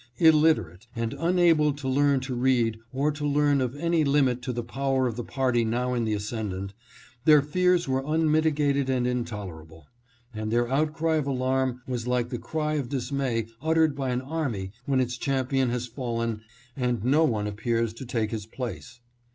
Illiterate and unable to learn to read or to learn of any limit to the power of the party now in the ascendant, their fears were unmitigated and intolerable, and their outcry of alarm was like the cry of dismay uttered by an army when its champion has fallen and no one appears to take his place.